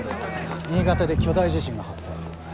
新潟で巨大地震が発生。